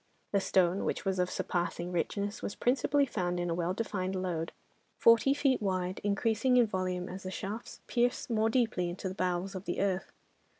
The stone, which was of surpassing richness, was principally found in a well defined lode, forty feet wide, increasing in volume as the shafts pierced more deeply into the bowels of the earth.